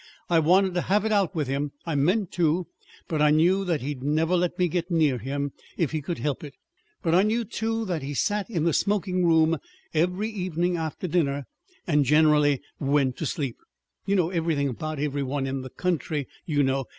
I wanted to have it out with him I meant to but I knew that he'd never let me get near him, if he could help it. But I knew, too, that he sat in the smoking room every evening after dinner, and generally went to sleep. You know everything about every one in the country, you know.